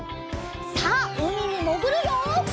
さあうみにもぐるよ！